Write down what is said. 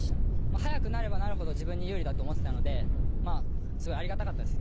速くなればなるほど自分に有利だと思っていましたのですごくありがたかったです。